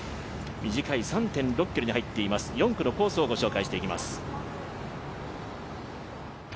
短い３．６ｋｍに入っています、４区のコースを紹介してきます。